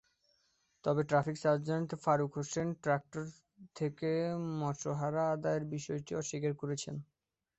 তবে traffic sergeant Faruk Hossain tractor থেকে মাসোহারা আদায়ের বিষয়টি অস্বীকার করেছেন।